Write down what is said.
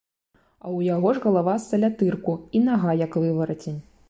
А ў яго ж галава з салятырку і нага, як выварацень.